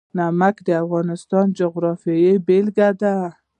نمک د افغانستان د جغرافیې بېلګه ده.